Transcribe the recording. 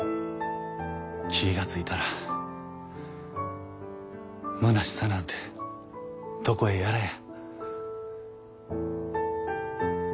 気が付いたらむなしさなんてどこへやらや。